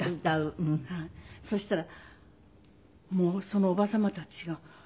そしたらそのおば様たちが。